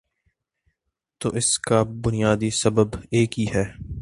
تو اس کا بنیادی سبب ایک ہی ہے۔